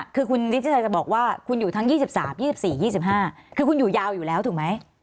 คือคุณฤทธิชัยจะบอกว่าคุณอยู่ทั้ง๒๓๒๔๒๕คือคุณอยู่ยาวอยู่แล้วถูกไหม